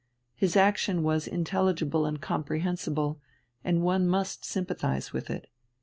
His action was intelligible and comprehensible, and one must sympathize with it.